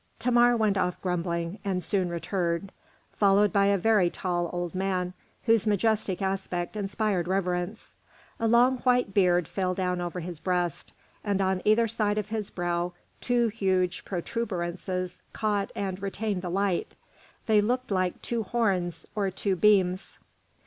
Thamar went off grumbling, and soon returned, followed by a very tall old man, whose majestic aspect inspired reverence. A long white beard fell down over his breast, and on either side of his brow two huge protuberances caught and retained the light. They looked like two horns or two beams.